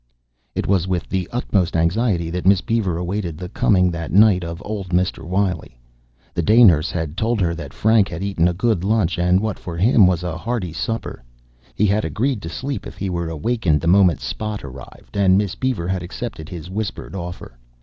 It was with the utmost anxiety that Miss Beaver awaited the coming that night of old Mr. Wiley. The day nurse had told her that Frank had eaten a good lunch and what for him was a hearty supper. He had agreed to sleep if he were awakened the moment Spot arrived, and Miss Beaver had accepted his whispered offer.